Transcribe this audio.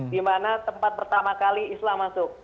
di mana tempat pertama kali islam masuk